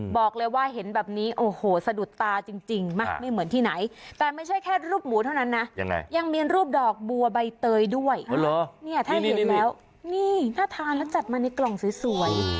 บอกเลยว่าเห็นแบบนี้โอ้โหสะดุดตาจริงไม่เหมือนที่ไหนแต่ไม่ใช่แค่รูปหมูเท่านั้นนะยังไงยังมีรูปดอกบัวใบเตยด้วยเนี่ยถ้าเห็นแล้วนี่น่าทานแล้วจัดมาในกล่องสวย